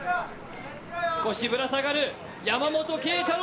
少しぶら下がる、山本桂太朗